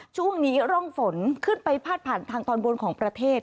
ช่วงนี้ร่องฝนขึ้นไปพาดผ่านทางตอนบนของประเทศ